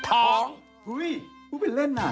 พูดเป็นเล่นน่ะ